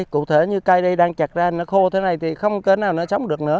cụ thể như cây đây đang chặt ra nó khô thế này thì không cỡ nào nó sống được nữa